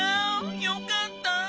よかった！